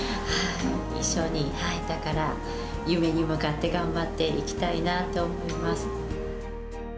一緒に、だから、夢に向かって頑張っていきたいなと思います。